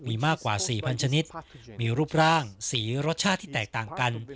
มีมากกว่า๔๐๐ชนิดมีรูปร่างสีรสชาติที่แตกต่างกัน